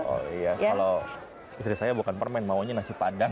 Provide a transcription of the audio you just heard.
oh iya kalau istri saya bukan permen maunya nasi padang